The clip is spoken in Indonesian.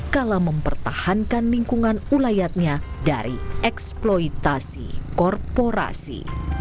kala mempertahankan lingkungan ulayatnya dari eksploitasi korporasi